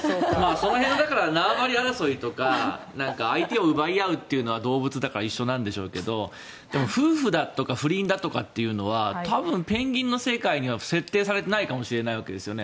その辺は縄張り争いとか相手を奪い合うというのは動物だから一緒なんでしょうけどでも夫婦だとか不倫だとかというのは多分、ペンギンの世界には設定されていないかもしれないわけですよね。